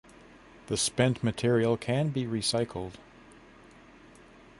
The spent material can be recycled.